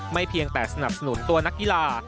เพียงแต่สนับสนุนตัวนักกีฬา